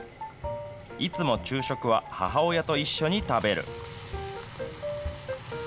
いつも昼食は、母親と一緒に食べる。